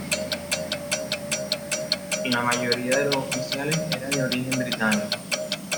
La mayoría de los oficiales eran de origen británico.